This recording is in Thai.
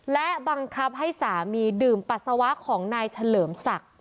และบังคับให้สามีดื่มปัสสาวะของนายเฉลิมศักดิ์